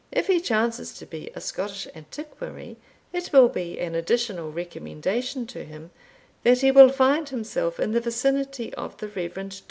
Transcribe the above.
If he chances to be a Scottish antiquary, it will be an additional recommendation to him, that he will find himself in the vicinity of the Rev. Dr.